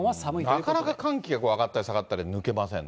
なかなか寒気が上がったり下がったり、抜けませんね。